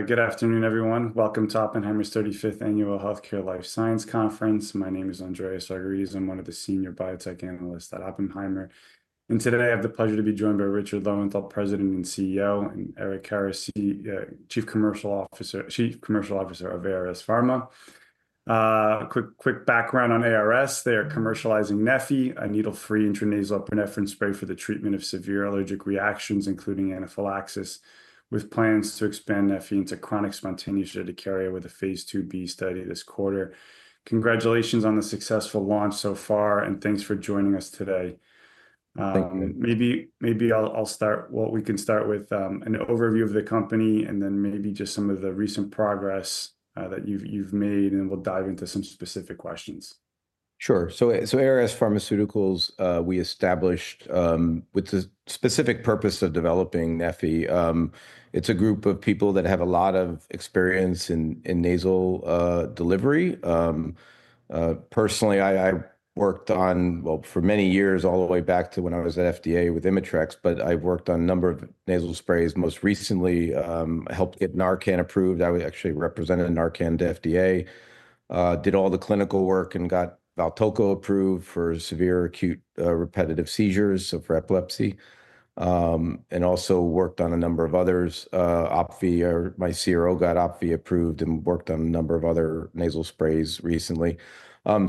Good afternoon, everyone. Welcome to Oppenheimer's 35th Annual Healthcare Life Science Conference. My name is Andreas Argyrides. I'm one of the senior biotech analysts at Oppenheimer. And today I have the pleasure to be joined by Richard Lowenthal, President and CEO, and Eric Karas, Chief Commercial Officer of ARS Pharmaceuticals. Quick background on ARS: they are commercializing Neffy, a needle-free intranasal epinephrine spray for the treatment of severe allergic reactions, including anaphylaxis, with plans to expand Neffy into chronic spontaneous urticaria with a phase 2B study this quarter. Congratulations on the successful launch so far, and thanks for joining us today. Thank you. Maybe I'll start, well, we can start with an overview of the company and then maybe just some of the recent progress that you've made, and we'll dive into some specific questions. Sure. So ARS Pharmaceuticals, we established with the specific purpose of developing Neffy. It's a group of people that have a lot of experience in nasal delivery. Personally, I worked on, well, for many years, all the way back to when I was at FDA with Imitrex, but I've worked on a number of nasal sprays. Most recently, I helped get Narcan approved. I actually represented Narcan to FDA, did all the clinical work, and got Valtoco approved for severe acute repetitive seizures, so for epilepsy. And also worked on a number of others. Opvee, my CRO got Opvee approved and worked on a number of other nasal sprays recently.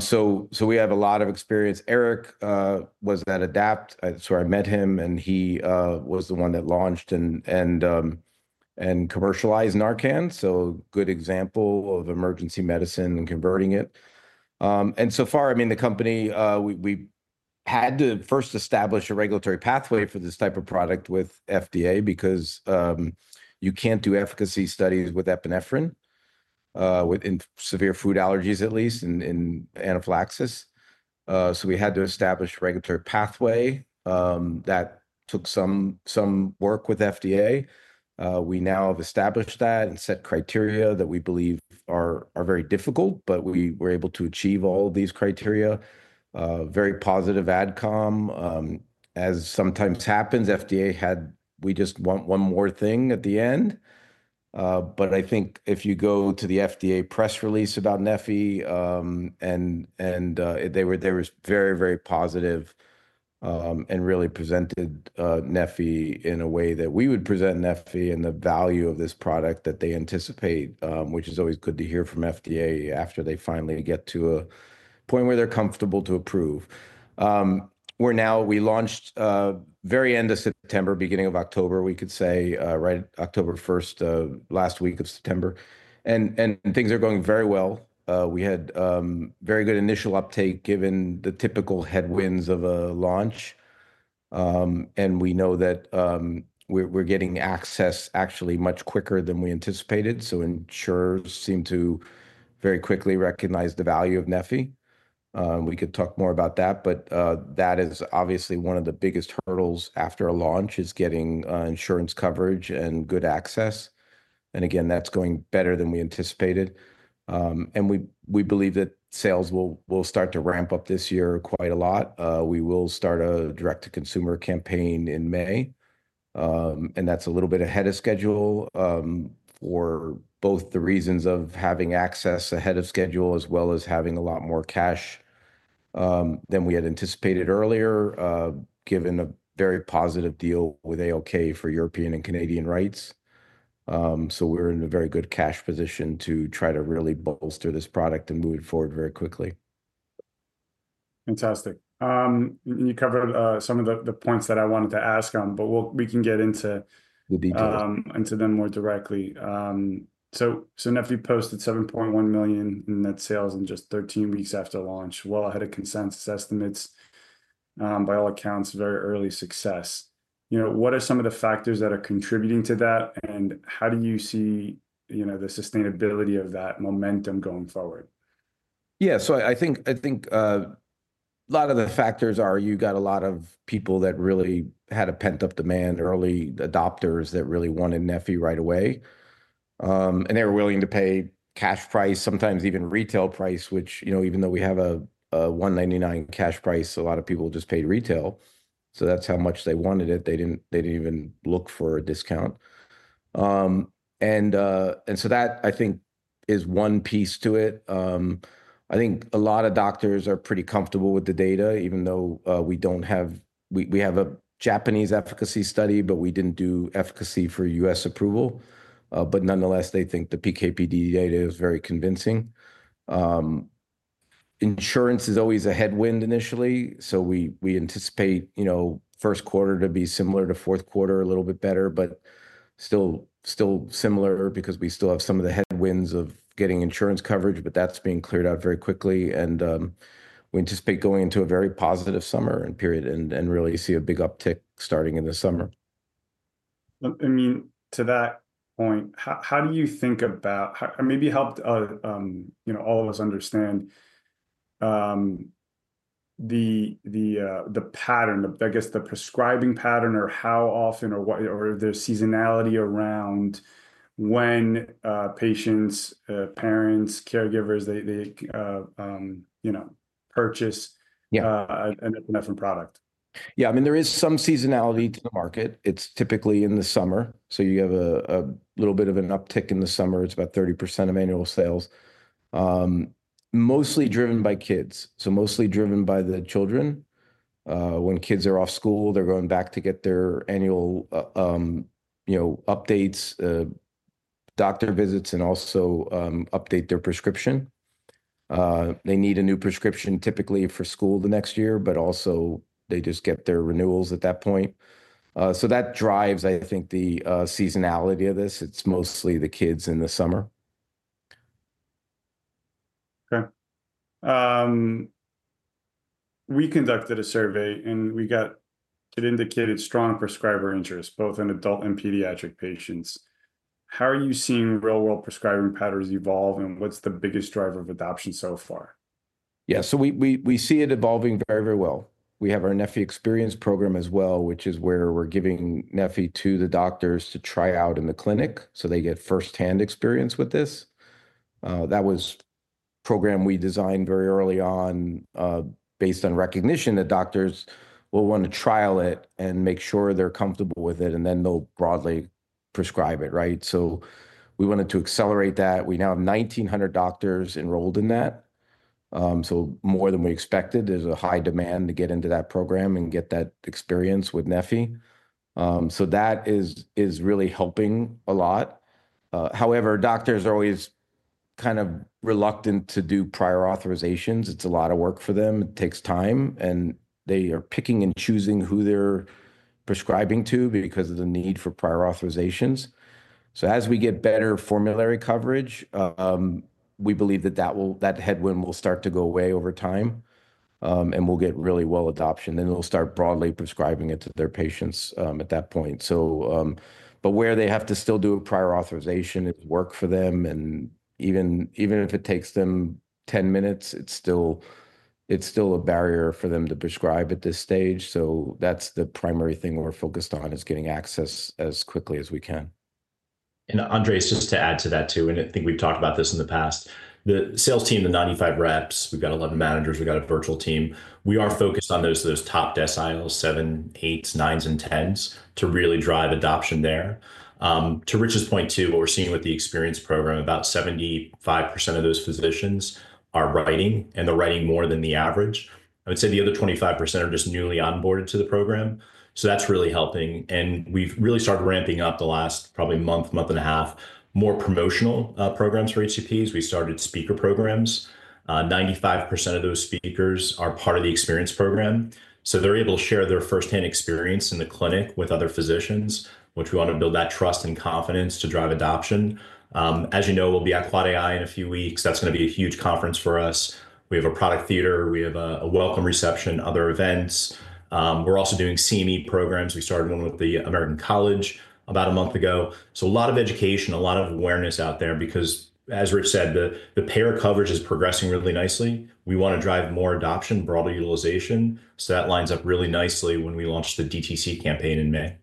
So we have a lot of experience. Eric was at Adapt, so I met him, and he was the one that launched and commercialized Narcan, so a good example of emergency medicine and converting it. And so far, I mean, the company, we had to first establish a regulatory pathway for this type of product with FDA because you can't do efficacy studies with epinephrine with severe food allergies, at least, and anaphylaxis. So we had to establish a regulatory pathway. That took some work with FDA. We now have established that and set criteria that we believe are very difficult, but we were able to achieve all of these criteria. Very positive adcom. As sometimes happens, FDA had, we just want one more thing at the end. I think if you go to the FDA press release about Neffy, and they were very, very positive and really presented Neffy in a way that we would present Neffy and the value of this product that they anticipate, which is always good to hear from FDA after they finally get to a point where they're comfortable to approve. We launched very end of September, beginning of October, we could say, right, October 1st, last week of September. Things are going very well. We had very good initial uptake given the typical headwinds of a launch. We know that we're getting access actually much quicker than we anticipated. Insurers seem to very quickly recognize the value of Neffy. We could talk more about that, but that is obviously one of the biggest hurdles after a launch is getting insurance coverage and good access. And again, that's going better than we anticipated. And we believe that sales will start to ramp up this year quite a lot. We will start a direct-to-consumer campaign in May. And that's a little bit ahead of schedule for both the reasons of having access ahead of schedule as well as having a lot more cash than we had anticipated earlier, given a very positive deal with ALK-Abelló for European and Canadian rights. So we're in a very good cash position to try to really bolster this product and move it forward very quickly. Fantastic. You covered some of the points that I wanted to ask on, but we can get into. The details. Into them more directly. So Neffy posted 7.1 million, and that sales in just 13 weeks after launch, well ahead of consensus estimates. By all accounts, very early success. What are some of the factors that are contributing to that, and how do you see the sustainability of that momentum going forward? Yeah, so I think a lot of the factors are you got a lot of people that really had a pent-up demand, early adopters that really wanted Neffy right away. And they were willing to pay cash price, sometimes even retail price, which, you know, even though we have a $199 cash price, a lot of people just paid retail. So that's how much they wanted it. They didn't even look for a discount. And so that, I think, is one piece to it. I think a lot of doctors are pretty comfortable with the data, even though we don't have—we have a Japanese efficacy study, but we didn't do efficacy for U.S. approval. But nonetheless, they think the PKPD data is very convincing. Insurance is always a headwind initially, so we anticipate first quarter to be similar to fourth quarter, a little bit better, but still similar because we still have some of the headwinds of getting insurance coverage, but that's being cleared out very quickly, and we anticipate going into a very positive summer period and really see a big uptick starting in the summer. I mean, to that point, how do you think about, and maybe help all of us understand the pattern, I guess the prescribing pattern, or how often, or if there's seasonality around when patients, parents, caregivers, they purchase an epinephrine product? Yeah, I mean, there is some seasonality to the market. It's typically in the summer. So you have a little bit of an uptick in the summer. It's about 30% of annual sales, mostly driven by kids. So mostly driven by the children. When kids are off school, they're going back to get their annual updates, doctor visits, and also update their prescription. They need a new prescription typically for school the next year, but also they just get their renewals at that point. So that drives, I think, the seasonality of this. It's mostly the kids in the summer. Okay. We conducted a survey, and it indicated strong prescriber interest, both in adult and pediatric patients. How are you seeing real-world prescribing patterns evolve, and what's the biggest driver of adoption so far? Yeah, so we see it evolving very, very well. We have our Neffy Experience program as well, which is where we're giving Neffy to the doctors to try out in the clinic so they get firsthand experience with this. That was a program we designed very early on based on recognition that doctors will want to trial it and make sure they're comfortable with it, and then they'll broadly prescribe it, right? So we wanted to accelerate that. We now have 1,900 doctors enrolled in that, so more than we expected. There's a high demand to get into that program and get that experience with Neffy. So that is really helping a lot. However, doctors are always kind of reluctant to do prior authorizations. It's a lot of work for them. It takes time, and they are picking and choosing who they're prescribing to because of the need for prior authorizations. So as we get better formulary coverage, we believe that that headwind will start to go away over time, and we'll get really well adoption, and they'll start broadly prescribing it to their patients at that point. But where they have to still do a prior authorization is work for them, and even if it takes them 10 minutes, it's still a barrier for them to prescribe at this stage. So that's the primary thing we're focused on is getting access as quickly as we can. Andreas, just to add to that too, and I think we've talked about this in the past, the sales team, the 95 reps, we've got 11 managers, we've got a virtual team. We are focused on those top deciles, seven, eights, nines, and tens to really drive adoption there. To Rich's point too, what we're seeing with the Experience program, about 75% of those physicians are writing, and they're writing more than the average. I would say the other 25% are just newly onboarded to the program. So that's really helping. And we've really started ramping up the last probably month, month and a half, more promotional programs for HCPs. We started speaker programs. 95% of those speakers are part of the Experience program. They're able to share their firsthand experience in the clinic with other physicians, which we want to build that trust and confidence to drive adoption. As you know, we'll be at Quad AI in a few weeks. That's going to be a huge conference for us. We have a product theater. We have a welcome reception, other events. We're also doing CME programs. We started one with the American College about a month ago. So a lot of education, a lot of awareness out there because, as Rich said, the payer coverage is progressing really nicely. We want to drive more adoption, broader utilization. So that lines up really nicely when we launch the DTC campaign in May.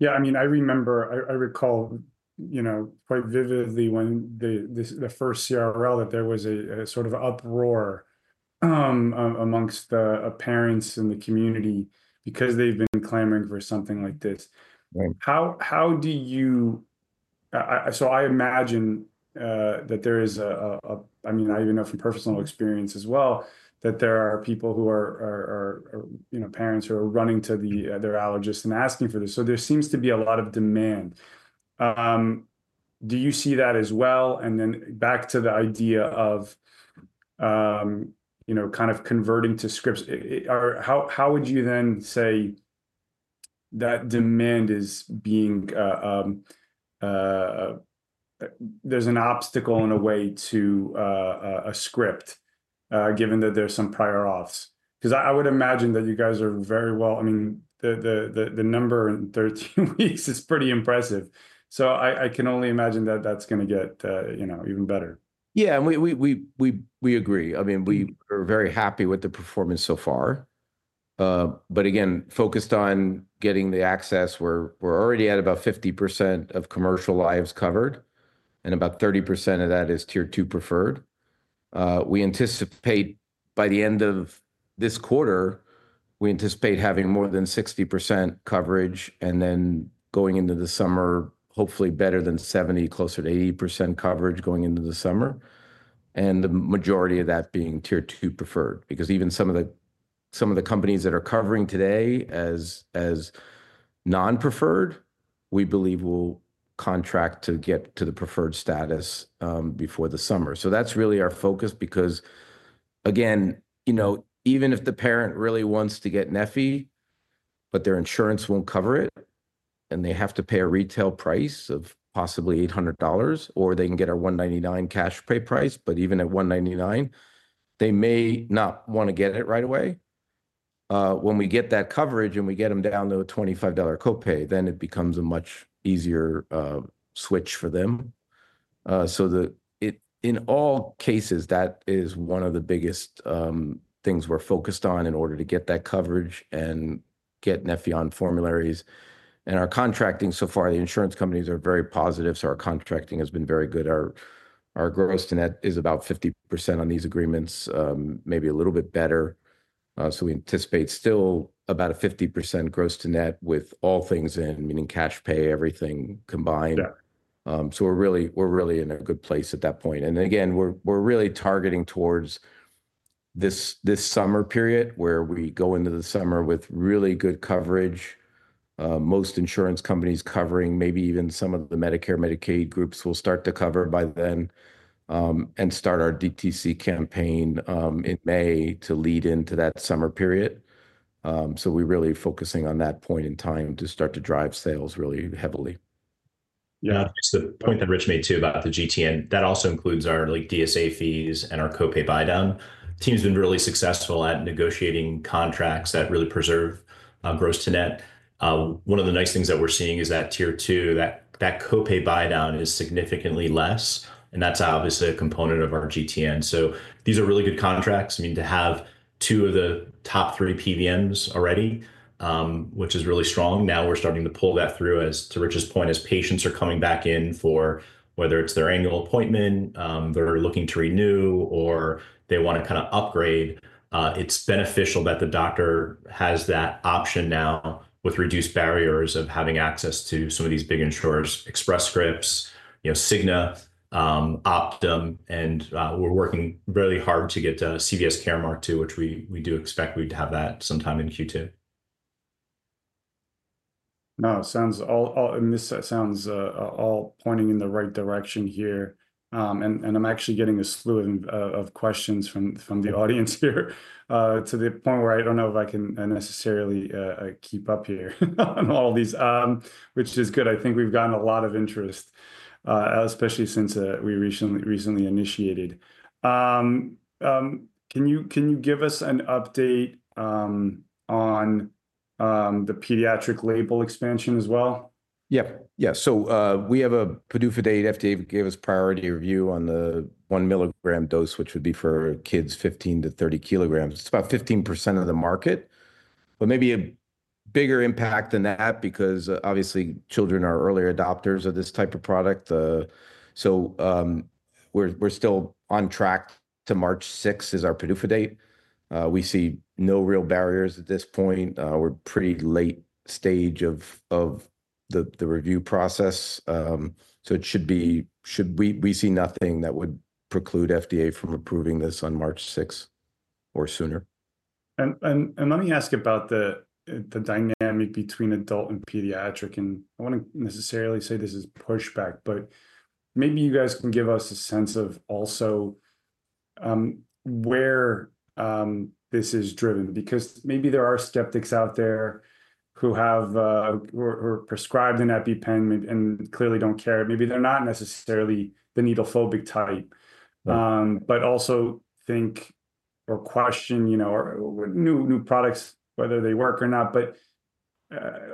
Right. Yeah, I mean, I recall quite vividly when the first CRL, that there was a sort of uproar among the parents and the community because they've been clamoring for something like this. How do you, so I imagine that there is a, I mean, I even know from personal experience as well that there are people who are parents who are running to their allergist and asking for this. So there seems to be a lot of demand. Do you see that as well? And then back to the idea of kind of converting to scripts, how would you then say that demand is being. There's an obstacle in a way to a script, given that there's some prior auths? Because I would imagine that you guys are very well. I mean, the number in 13 weeks is pretty impressive. So I can only imagine that that's going to get even better. Yeah, and we agree. I mean, we are very happy with the performance so far. But again, focused on getting the access, we're already at about 50% of commercial lives covered, and about 30% of that is Tier Two Preferred. We anticipate by the end of this quarter, we anticipate having more than 60% coverage, and then going into the summer, hopefully better than 70, closer to 80% coverage going into the summer. And the majority of that being Tier Two Preferred because even some of the companies that are covering today as non-preferred, we believe will contract to get to the preferred status before the summer. So that's really our focus because, again, even if the parent really wants to get Neffy, but their insurance won't cover it, and they have to pay a retail price of possibly $800, or they can get a $199 cash pay price, but even at $199, they may not want to get it right away. When we get that coverage and we get them down to a $25 copay, then it becomes a much easier switch for them. So in all cases, that is one of the biggest things we're focused on in order to get that coverage and get Neffy on formularies. And our contracting so far, the insurance companies are very positive, so our contracting has been very good. Our gross-to-net is about 50% on these agreements, maybe a little bit better. So we anticipate still about a 50% gross-to-net with all things in, meaning cash pay, everything combined, so we're really in a good place at that point, and again, we're really targeting towards this summer period where we go into the summer with really good coverage. Most insurance companies covering, maybe even some of the Medicare, Medicaid groups will start to cover by then and start our DTC campaign in May to lead into that summer period, so we're really focusing on that point in time to start to drive sales really heavily. Yeah, the point that Rich made too about the GTN, that also includes our DSA fees and our copay buy-down. The team has been really successful at negotiating contracts that really preserve gross to net. One of the nice things that we're seeing is that tier two, that copay buy-down is significantly less, and that's obviously a component of our GTN. So these are really good contracts. I mean, to have two of the top three PBMs already, which is really strong. Now we're starting to pull that through, as to Rich's point, as patients are coming back in for whether it's their annual appointment, they're looking to renew, or they want to kind of upgrade. It's beneficial that the doctor has that option now with reduced barriers of having access to some of these big insurers, Express Scripts, Cigna, Optum, and we're working really hard to get to CVS Caremark too, which we do expect we'd have that sometime in Q2. No, it sounds, and this sounds all pointing in the right direction here, and I'm actually getting a slew of questions from the audience here to the point where I don't know if I can necessarily keep up here on all these, which is good. I think we've gotten a lot of interest, especially since we recently initiated. Can you give us an update on the pediatric label expansion as well? Yeah, yeah. So we have a PDUFA date. FDA gave us priority review on the one milligram dose, which would be for kids 15 to 30 kilograms. It's about 15% of the market, but maybe a bigger impact than that because obviously children are early adopters of this type of product. So we're still on track to March 6, is our PDUFA date. We see no real barriers at this point. We're pretty late stage of the review process. So it should be. We see nothing that would preclude FDA from approving this on March 6 or sooner. And let me ask about the dynamic between adult and pediatric. And I won't necessarily say this is pushback, but maybe you guys can give us a sense of also where this is driven because maybe there are skeptics out there who are prescribed an EpiPen and clearly don't care. Maybe they're not necessarily the needlephobic type, but also think or question new products, whether they work or not. But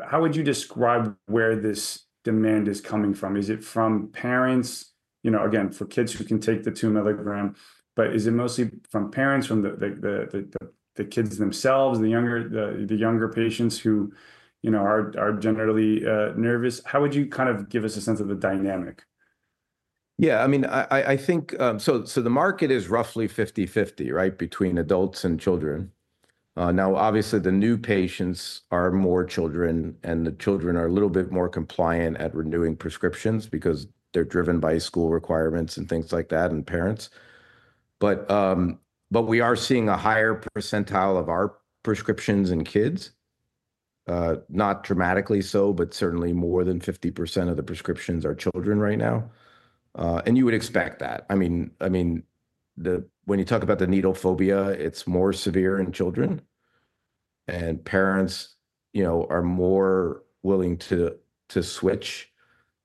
how would you describe where this demand is coming from? Is it from parents? Again, for kids who can take the two milligram, but is it mostly from parents, from the kids themselves, the younger patients who are generally nervous? How would you kind of give us a sense of the dynamic? Yeah, I mean, I think so the market is roughly 50:50, right, between adults and children. Now, obviously, the new patients are more children, and the children are a little bit more compliant at renewing prescriptions because they're driven by school requirements and things like that and parents. But we are seeing a higher percentage of our prescriptions in kids, not dramatically so, but certainly more than 50% of the prescriptions are children right now. And you would expect that. I mean, when you talk about the needlephobia, it's more severe in children, and parents are more willing to switch.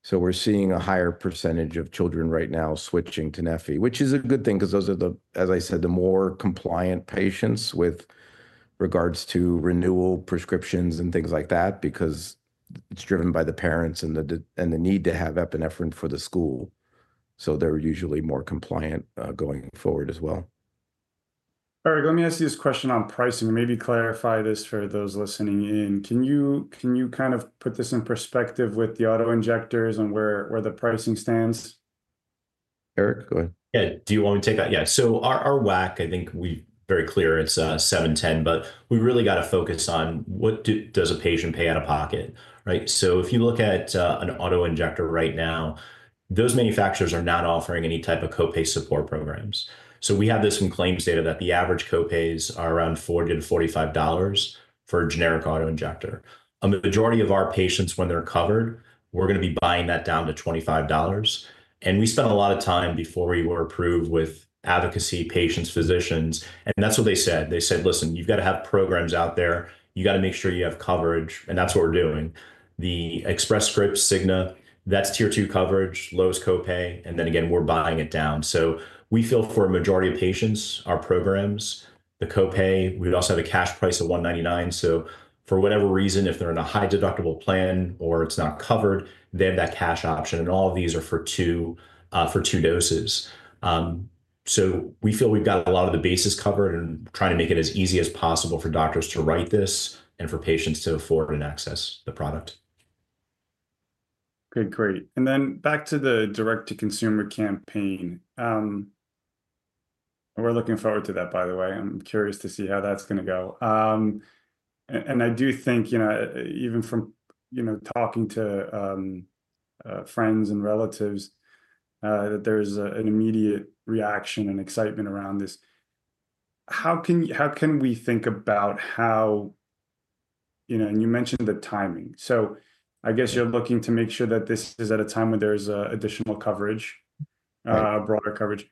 So we're seeing a higher percentage of children right now switching to Neffy, which is a good thing because those are the, as I said, the more compliant patients with regards to renewal prescriptions and things like that because it's driven by the parents and the need to have epinephrine for the school. So they're usually more compliant going forward as well. Eric, let me ask you this question on pricing. Maybe clarify this for those listening in. Can you kind of put this in perspective with the auto injectors and where the pricing stands? Eric, go ahead. Yeah, do you want me to take that? Yeah. So our WAC, I think we're very clear. It's $710, but we really got to focus on what does a patient pay out of pocket, right? So if you look at an auto injector right now, those manufacturers are not offering any type of copay support programs. So we have this from claims data that the average copays are around $445 for a generic auto injector. The majority of our patients, when they're covered, we're going to be buying that down to $25. And we spent a lot of time before we were approved with advocacy patients, physicians, and that's what they said. They said, "Listen, you've got to have programs out there. You got to make sure you have coverage," and that's what we're doing. The Express Scripts, Cigna, that's tier two coverage, lowest copay, and then again, we're buying it down. So we feel for a majority of patients, our programs, the copay, we'd also have a cash price of $199. So for whatever reason, if they're in a high deductible plan or it's not covered, they have that cash option. And all of these are for two doses. So we feel we've got a lot of the bases covered and trying to make it as easy as possible for doctors to write this and for patients to afford and access the product. Good, great. And then back to the direct-to-consumer campaign. We're looking forward to that, by the way. I'm curious to see how that's going to go. And I do think, even from talking to friends and relatives, that there's an immediate reaction and excitement around this. How can we think about how, and you mentioned the timing. So I guess you're looking to make sure that this is at a time when there's additional coverage, broader coverage.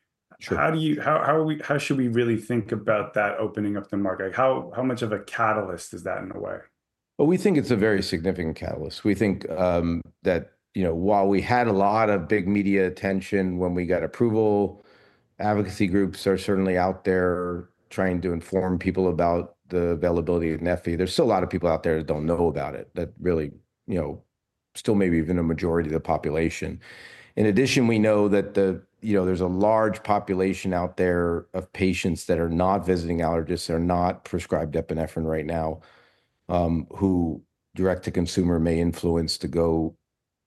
How should we really think about that opening up the market? How much of a catalyst is that in a way? We think it's a very significant catalyst. We think that while we had a lot of big media attention when we got approval, advocacy groups are certainly out there trying to inform people about the availability of Neffy. There's still a lot of people out there that don't know about it, that really still maybe even a majority of the population. In addition, we know that there's a large population out there of patients that are not visiting allergists, that are not prescribed epinephrine right now, who direct-to-consumer may influence to go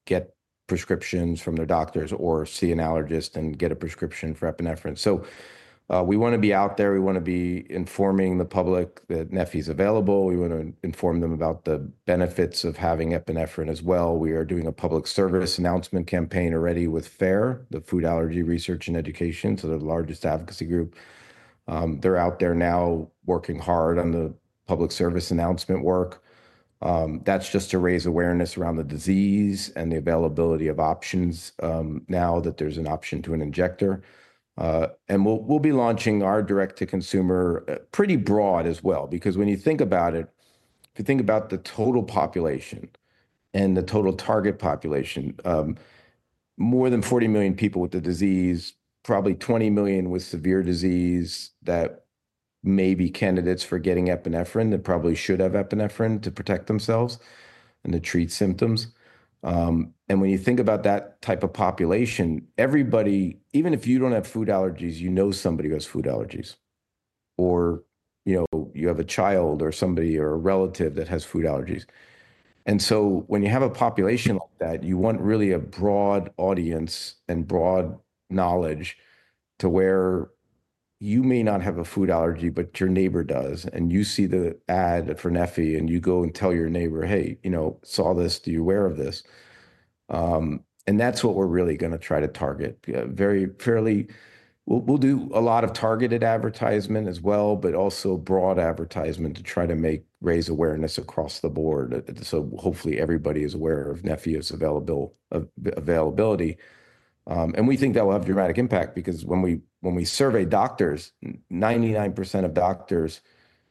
get prescriptions from their doctors or see an allergist and get a prescription for epinephrine. So we want to be out there. We want to be informing the public that Neffy is available. We want to inform them about the benefits of having epinephrine as well. We are doing a public service announcement campaign already with FARE, the Food Allergy Research and Education, so the largest advocacy group. They're out there now working hard on the public service announcement work. That's just to raise awareness around the disease and the availability of options now that there's an option to an injector. And we'll be launching our direct-to-consumer pretty broad as well because when you think about it, if you think about the total population and the total target population, more than 40 million people with the disease, probably 20 million with severe disease that may be candidates for getting epinephrine, that probably should have epinephrine to protect themselves and to treat symptoms. When you think about that type of population, everybody, even if you don't have food allergies, you know somebody who has food allergies, or you have a child or somebody or a relative that has food allergies. And so when you have a population like that, you want really a broad audience and broad knowledge to where you may not have a food allergy, but your neighbor does, and you see the ad for Neffy, and you go and tell your neighbor, "Hey, saw this. Do you wear this?" And that's what we're really going to try to target. We'll do a lot of targeted advertisement as well, but also broad advertisement to try to raise awareness across the board. So hopefully everybody is aware of Neffy's availability. We think that'll have dramatic impact because when we survey doctors, 99% of doctors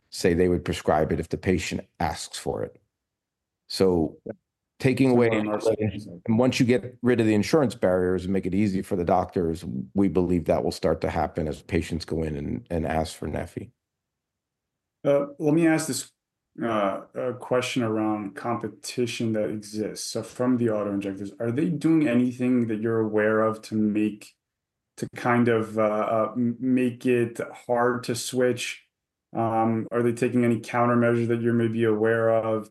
say they would prescribe it if the patient asks for it. So taking away, once you get rid of the insurance barriers and make it easy for the doctors, we believe that will start to happen as patients go in and ask for Neffy. Let me ask this question around competition that exists. So from the auto injectors, are they doing anything that you're aware of to kind of make it hard to switch? Are they taking any countermeasures that you're maybe aware of,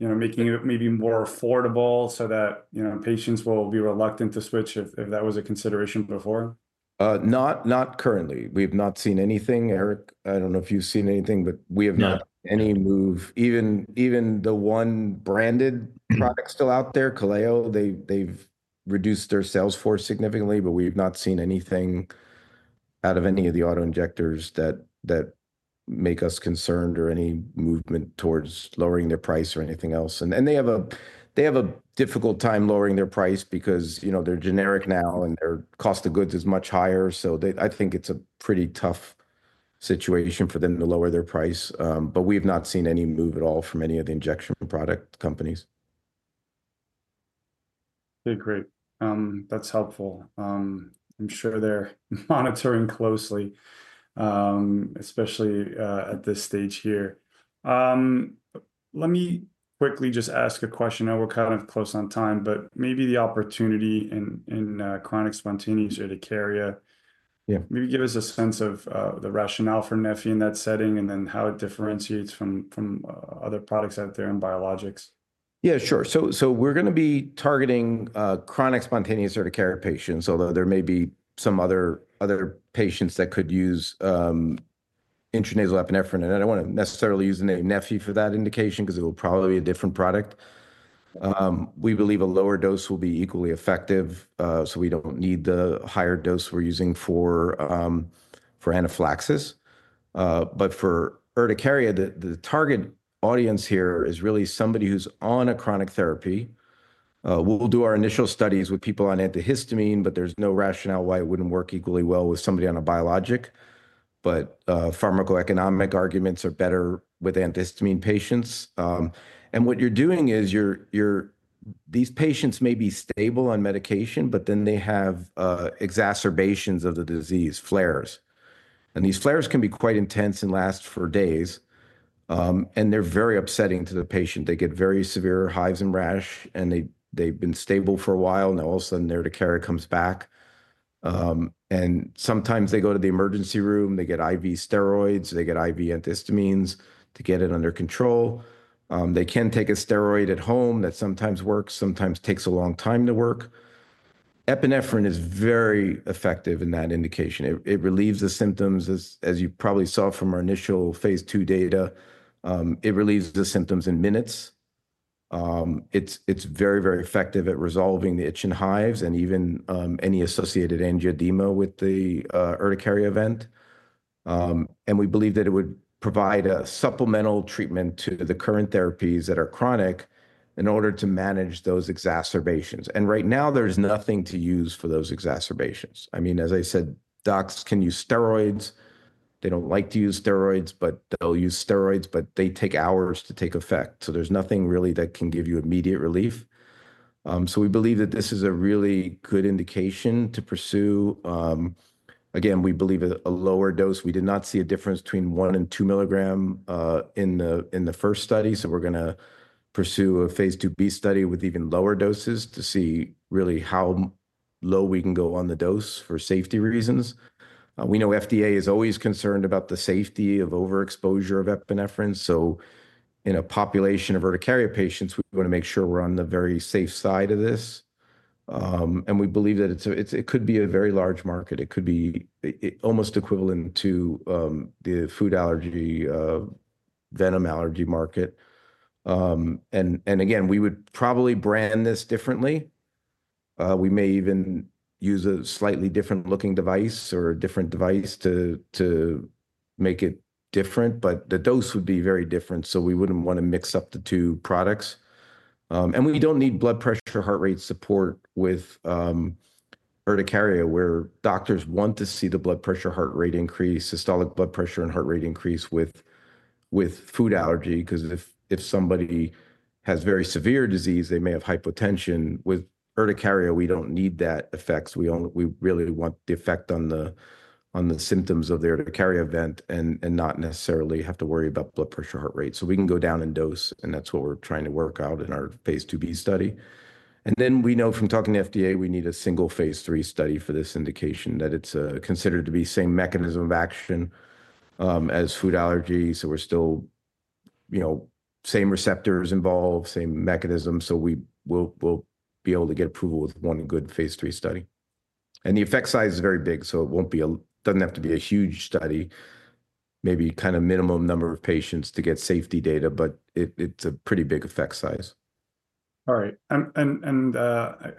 making it maybe more affordable so that patients will be reluctant to switch if that was a consideration before? Not currently. We've not seen anything. Eric, I don't know if you've seen anything, but we have not seen any move. Even the one branded product still out there, Kaléo, they've reduced their sales force significantly, but we've not seen anything out of any of the auto injectors that make us concerned or any movement towards lowering their price or anything else. And they have a difficult time lowering their price because they're generic now and their cost of goods is much higher. So I think it's a pretty tough situation for them to lower their price, but we have not seen any move at all from any of the injection product companies. Okay, great. That's helpful. I'm sure they're monitoring closely, especially at this stage here. Let me quickly just ask a question. I know we're kind of close on time, but maybe the opportunity in chronic spontaneous urticaria, maybe give us a sense of the rationale for Neffy in that setting and then how it differentiates from other products out there in biologics. Yeah, sure. So we're going to be targeting Chronic Spontaneous Urticaria patients, although there may be some other patients that could use intranasal epinephrine. And I don't want to necessarily use the name Neffy for that indication because it will probably be a different product. We believe a lower dose will be equally effective, so we don't need the higher dose we're using for anaphylaxis. But for urticaria, the target audience here is really somebody who's on a chronic therapy. We'll do our initial studies with people on antihistamine, but there's no rationale why it wouldn't work equally well with somebody on a biologic. But pharmacoeconomic arguments are better with antihistamine patients. And what you're doing is these patients may be stable on medication, but then they have exacerbations of the disease, flares. These flares can be quite intense and last for days, and they're very upsetting to the patient. They get very severe hives and rash, and they've been stable for a while, and all of a sudden the urticaria comes back. Sometimes they go to the emergency room, they get IV steroids, they get IV antihistamines to get it under control. They can take a steroid at home that sometimes works, sometimes takes a long time to work. Epinephrine is very effective in that indication. It relieves the symptoms, as you probably saw from our initial phase two data. It relieves the symptoms in minutes. It's very, very effective at resolving the itch and hives and even any associated angioedema with the urticaria event. We believe that it would provide a supplemental treatment to the current therapies that are chronic in order to manage those exacerbations. Right now, there's nothing to use for those exacerbations. I mean, as I said, docs can use steroids. They don't like to use steroids, but they'll use steroids, but they take hours to take effect. There's nothing really that can give you immediate relief. We believe that this is a really good indication to pursue. Again, we believe a lower dose. We did not see a difference between one and two milligrams in the first study. We're going to pursue a phase 2B study with even lower doses to see really how low we can go on the dose for safety reasons. We know FDA is always concerned about the safety of overexposure of epinephrine. In a population of urticaria patients, we want to make sure we're on the very safe side of this. We believe that it could be a very large market. It could be almost equivalent to the food allergy, venom allergy market. Again, we would probably brand this differently. We may even use a slightly different looking device or a different device to make it different, but the dose would be very different. We wouldn't want to mix up the two products. We don't need blood pressure, heart rate support with urticaria where doctors want to see the blood pressure, heart rate increase, systolic blood pressure and heart rate increase with food allergy because if somebody has very severe disease, they may have hypotension. With urticaria, we don't need that effect. We really want the effect on the symptoms of the urticaria event and not necessarily have to worry about blood pressure, heart rate. So we can go down in dose, and that's what we're trying to work out in our phase II-B study. And then we know from talking to FDA, we need a single phase III study for this indication that it's considered to be the same mechanism of action as food allergies. So we're still same receptors involved, same mechanism. So we'll be able to get approval with one good phase 3 study. And the effect size is very big, so it doesn't have to be a huge study, maybe kind of minimum number of patients to get safety data, but it's a pretty big effect size. All right. And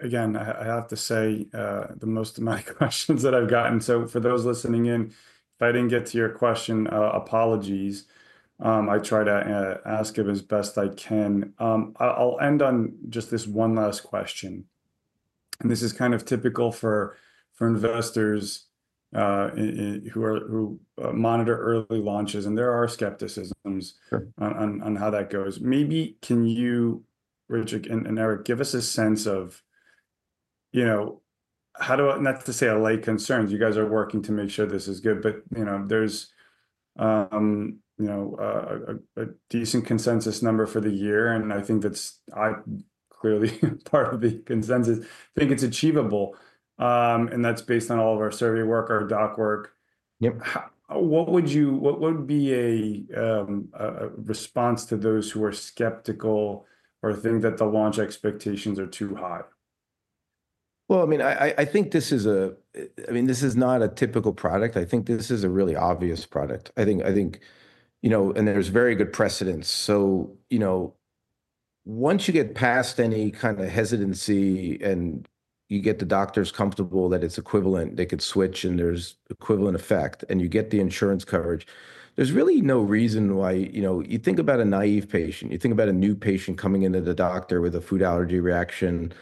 again, I have to say the most of my questions that I've gotten. So for those listening in, if I didn't get to your question, apologies. I try to ask it as best I can. I'll end on just this one last question. And this is kind of typical for investors who monitor early launches, and there are skepticisms on how that goes. Maybe can you, Richard and Eric, give us a sense of how, not to say, to allay concerns. You guys are working to make sure this is good, but there's a decent consensus number for the year, and I think that's clearly part of the consensus. I think it's achievable, and that's based on all of our survey work, our doc work. What would be a response to those who are skeptical or think that the launch expectations are too high? I mean, I think this is a—I mean, this is not a typical product. I think this is a really obvious product. I think, and there's very good precedence. So once you get past any kind of hesitancy and you get the doctors comfortable that it's equivalent, they could switch and there's equivalent effect, and you get the insurance coverage, there's really no reason why you think about a naive patient. You think about a new patient coming into the doctor with a food allergy reaction.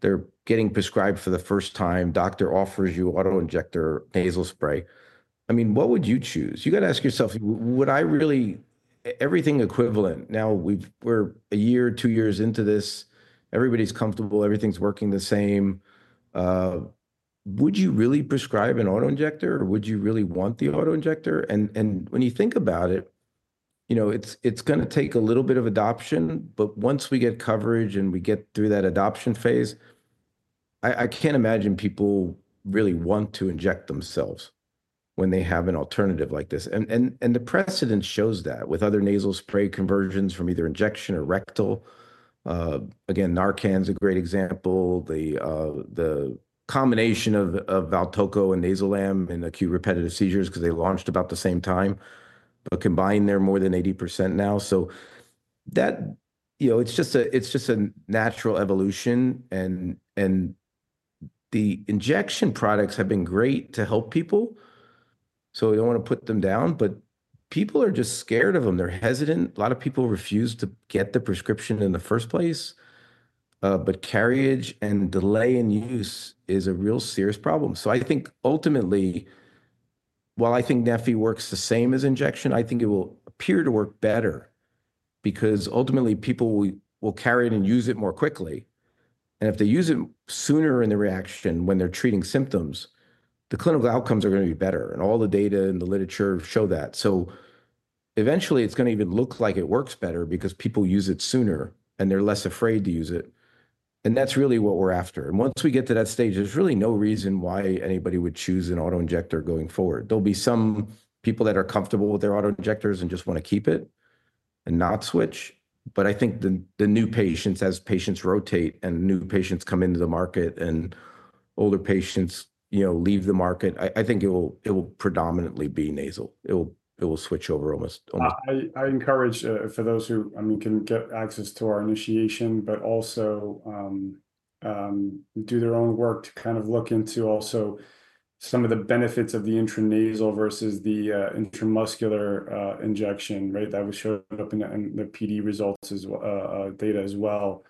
They're getting prescribed for the first time. Doctor offers you auto injector nasal spray. I mean, what would you choose? You got to ask yourself, would I really—everything equivalent. Now we're a year, two years into this. Everybody's comfortable. Everything's working the same. Would you really prescribe an auto injector, or would you really want the auto injector? And when you think about it, it's going to take a little bit of adoption, but once we get coverage and we get through that adoption phase, I can't imagine people really want to inject themselves when they have an alternative like this. And the precedent shows that with other nasal spray conversions from either injection or rectal. Again, Narcan's a great example. The combination of Valtoco and Nayzilam in acute repetitive seizures because they launched about the same time, but combined they're more than 80% now. So it's just a natural evolution, and the injection products have been great to help people. So we don't want to put them down, but people are just scared of them. They're hesitant. A lot of people refuse to get the prescription in the first place, but carriage and delay in use is a real serious problem. So I think ultimately, while I think Neffy works the same as injection, I think it will appear to work better because ultimately people will carry it and use it more quickly. And if they use it sooner in the reaction when they're treating symptoms, the clinical outcomes are going to be better. And all the data and the literature show that. So eventually it's going to even look like it works better because people use it sooner and they're less afraid to use it. And that's really what we're after. And once we get to that stage, there's really no reason why anybody would choose an auto-injector going forward. There'll be some people that are comfortable with their auto-injectors and just want to keep it and not switch. But I think the new patients, as patients rotate and new patients come into the market and older patients leave the market, I think it will predominantly be nasal. It will switch over almost. I encourage for those who, I mean, can get access to our initiation, but also do their own work to kind of look into also some of the benefits of the intranasal versus the intramuscular injection, right? That was shown up in the PD results data as well.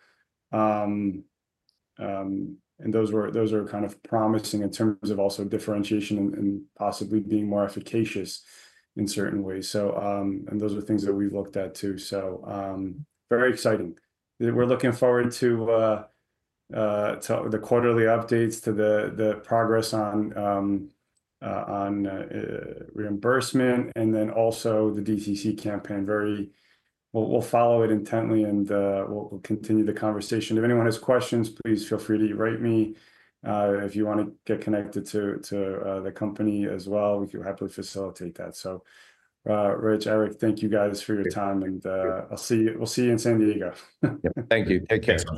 And those are kind of promising in terms of also differentiation and possibly being more efficacious in certain ways. And those are things that we've looked at too. So very exciting. We're looking forward to the quarterly updates to the progress on reimbursement and then also the DCC campaign. We'll follow it intently and we'll continue the conversation. If anyone has questions, please feel free to write me. If you want to get connected to the company as well, we can hyper-facilitate that. So, Rich, Eric, thank you guys for your time, and we'll see you in San Diego. Thank you. Take care.